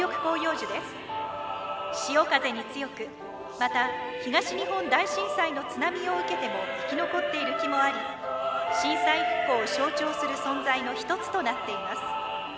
潮風に強くまた東日本大震災の津波を受けても生き残っている木もあり震災復興を象徴する存在の一つとなっています。